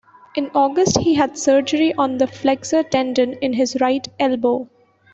In August, he had surgery on the flexor tendon in his right elbow.